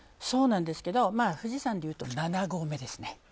そうなんですけど富士山でいうと７合目ですね。